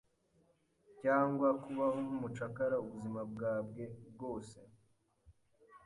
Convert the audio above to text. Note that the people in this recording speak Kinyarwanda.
cyangwa kubaho nk’umucakara ubuzima bwabwe bwose.